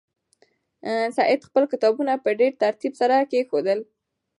سعید خپل کتابونه په ډېر ترتیب سره کېښودل.